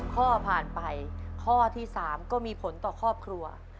ข้อผ่านไปข้อที่๓ก็มีผลต่อครอบครัว